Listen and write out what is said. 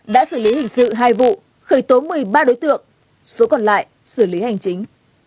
đã xử lý hình sự hai vụ khởi tố một mươi ba đối tượng số còn lại xử lý hành chính